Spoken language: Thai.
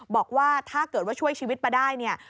บอกว่าถ้าเกิดว่าช่วยชีวิตมาได้เนี่ย